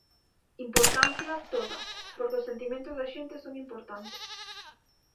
Importancia, toda, porque os sentimentos da xente son importantes.